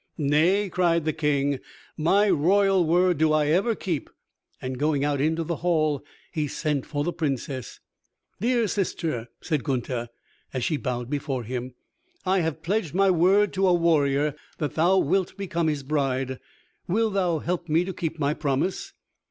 "Nay," cried the King, "my royal word do I ever keep," and going out into the hall he sent for the Princess. "Dear sister," said Gunther, as she bowed before him, "I have pledged my word to a warrior that thou wilt become his bride, wilt thou help me to keep my promise?"